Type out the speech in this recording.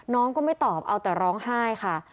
น้องก็ไม่ตอบเอาแต่ร้องไห้ค่ะ